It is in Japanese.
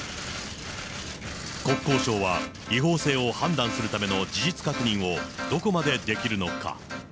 国交省は、違法性を判断するための事実関係をどこまでできるのか。